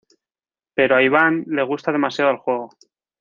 Pero a Iván le gusta demasiado el juego.